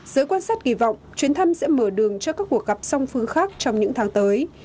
giới quan sát kỳ vọng chuyến thăm sẽ mở đường cho các cuộc gặp song phương khác trong những tháng tới